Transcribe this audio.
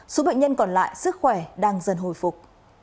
số bệnh nhân còn lại sức khỏe đang dần hồi phục